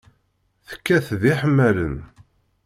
Tekkat d iḥemmalen.